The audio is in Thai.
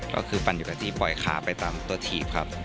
ก็คือปั่นอยู่กับที่ปล่อยขาไปตามตัวถีบครับ